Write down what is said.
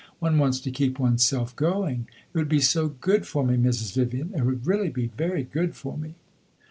One wants to keep one's self going. It would be so good for me, Mrs. Vivian; it would really be very good for me!"